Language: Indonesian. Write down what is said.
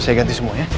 saya ganti semua ya